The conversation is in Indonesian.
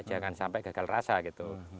jangan sampai gagal rasa gitu